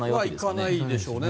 いかないでしょうね。